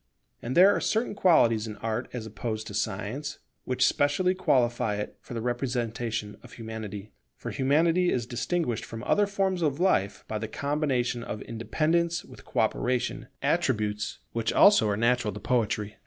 And there are certain qualities in Art as opposed to Science, which specially qualify it for the representation of Humanity. For Humanity is distinguished from other forms of life by the combination of independence with co operation, attributes which also are natural to Poetry.